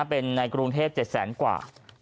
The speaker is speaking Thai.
เป็นในกรุงเทพก็๗๐๐กว่า